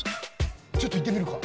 ちょっと行ってみるか。